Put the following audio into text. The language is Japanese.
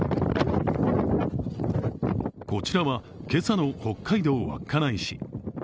こちらは、今朝の北海道稚内市。